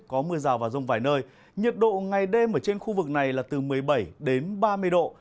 có mưa rào và rông vài nơi nhiệt độ ngày đêm ở trên khu vực này là từ một mươi bảy đến ba mươi độ